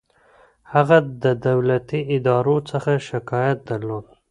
هغه د دولتي ادارو څخه شکايت درلود.